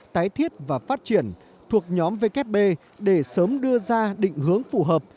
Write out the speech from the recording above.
tái thiết và phát triển thuộc nhóm vkp để sớm đưa ra định hướng phù hợp